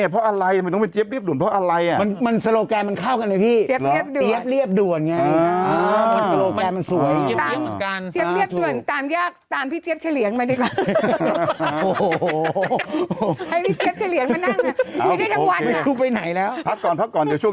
เพราะว่าเจี๊ยบไม่มาเจี๊ยบวัชลามาแทน